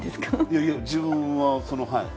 いやいや自分ははい。